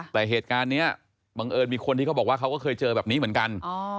แต่เหตุการณ์นี้บังเอิญมีคนที่เขาบอกว่าเขาก็เคยเจอแบบนี้เหมือนกัน